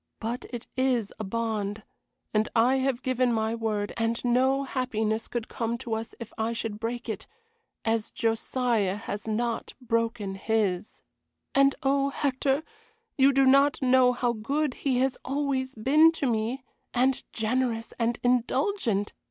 But it is a bond, and I have given my word, and no happiness could come to us if I should break it, as Josiah has not broken his. And oh, Hector, you do not know how good he has always been to me, and generous and indulgent!